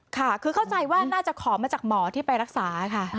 ค่ะคือเข้าใจว่าน่าจะขอมาจากหมอที่ไปรักษาค่ะ